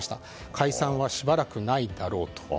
解散は、しばらくないだろうと。